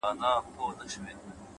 بریا له کوچنیو عادتونو جوړیږي!